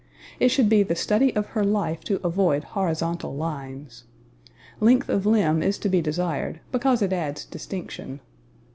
It should be the study of her life to avoid horizontal lines. Length of limb is to be desired because it adds distinction.